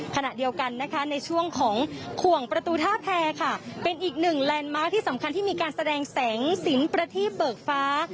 ขณะเดียวกันนะคะในช่วงของขวงประตูท่าแพรค่ะเป็นอีกหนึ่งแลนด์มาร์คที่สำคัญที่มีการแสดงแสงสินประทีบเบิกฟ้า